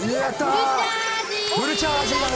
フルチャージだ！